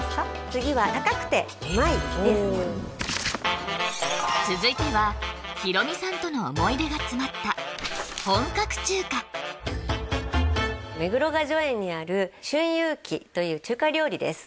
次は高くてうまいです続いてはヒロミさんとの思い出が詰まった本格中華という中華料理です